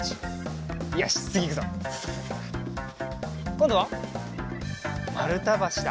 こんどはまるたばしだ。